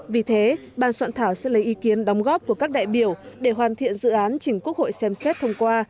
vì thế ban soạn thảo sẽ lấy ý kiến đóng góp của các đại biểu để hoàn thiện dự án chỉnh quốc hội xem xét thông qua